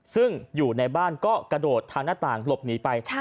ซึ่งอยู่ในบ้านก็กระโดดทางหน้าต่างหลบหนีไป